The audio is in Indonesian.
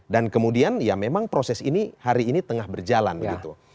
dan kemudian ya memang proses ini hari ini tengah berjalan begitu